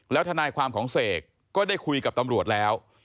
ทนายความของเสกก็ได้คุยกับตำรวจแล้ว